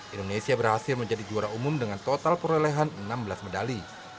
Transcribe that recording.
indonesia berhasil menjadi juara umum dengan total perolehan enam belas medali